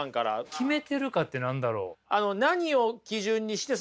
決めてるかって何だろう？